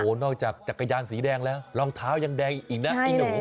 นอกจากจักรยานสีแดงแล้วรองเท้ายังแดงอีกนะไอ้หนู